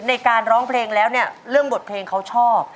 ในการร้องเพลงแล้วเนี่ยเรื่องบทเพลงเขาชอบ